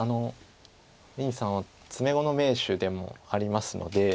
林さんは詰碁の名手でもありますので。